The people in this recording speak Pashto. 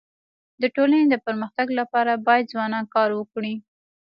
د ټولني د پرمختګ لپاره باید ځوانان کار وکړي.